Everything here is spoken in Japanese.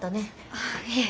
ああいえ。